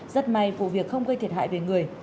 rất may vụ việc không gây thiệt hại về người